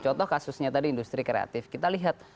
contoh kasusnya tadi industri kreatif kita lihat